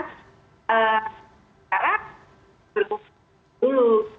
sekarang berkembang dulu